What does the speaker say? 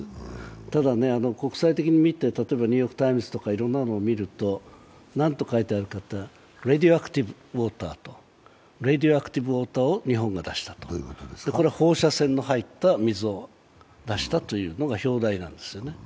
ただ、国際的に見て例えば「ニューヨーク・タイムズ」とかいろんなのを見ると何と書いてあるかと言ったらレイディー・アクティブ・ウォーターを日本が出したとこれは「放射線の入った水を出した」というのが表題なんですよね。